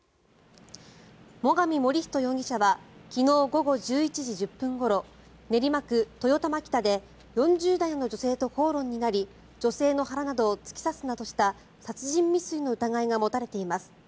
最上守人容疑者は昨日午後１１時１０分ごろ練馬区豊玉北で４０代の女性と口論になり女性の腹などを突き刺すなどした殺人未遂の疑いが持たれています。